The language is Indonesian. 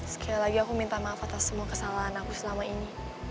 sekali lagi aku minta maaf atas semua kesalahan aku selama ini